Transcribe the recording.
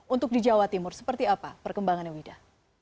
untuk di jawa timur seperti apa perkembangannya wida